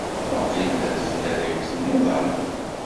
Waqil d adfel ara iwten iḍ-a.